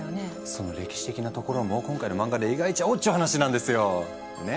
その歴史的なところも今回の漫画で描いちゃおうっちゅう話なんですよ。ね？